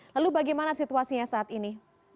lalu bagaimana situasinya saat ini